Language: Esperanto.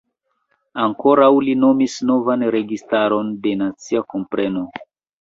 Ankoraŭ li nomis novan registaron de „nacia kompreno“.